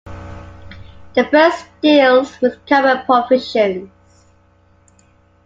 The first deals with common provisions.